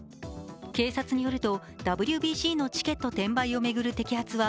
警察によると、ＷＢＣのチケット転売を巡る摘発は